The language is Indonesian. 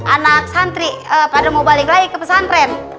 anak santri pada mau balik lagi ke pesantren